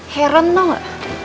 heran tau gak